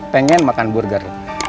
pengen makan burger